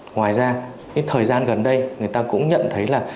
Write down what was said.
ngoài ra cái thời gian gần đây người ta cũng nhận thấy là